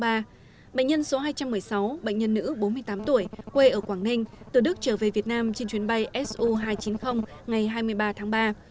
bệnh nhân số hai trăm một mươi sáu bệnh nhân nữ bốn mươi tám tuổi quê ở quảng ninh từ đức trở về việt nam trên chuyến bay su hai trăm chín mươi ngày hai mươi ba tháng ba